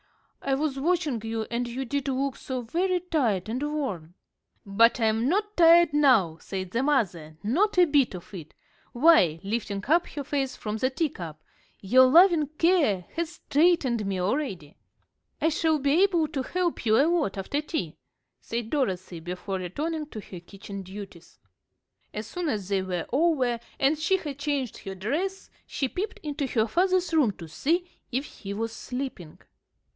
I was watching you, and you did look so very tired and worn." "But I'm not tired now," said the mother, "not a bit of it. Why," lifting up her face from the teacup, "your loving care has strengthened me already." "I shall be able to help you a lot after tea," said Dorothy, before returning to her kitchen duties. As soon as they were over, and she had changed her dress, she peeped into her father's room to see if he was sleeping.